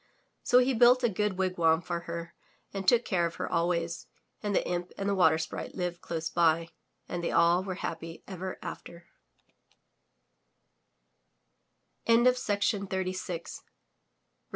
So he built a good wigwam for her and took care of her always, and the imp and the Water Sprite lived close by, and they all were happy ever after.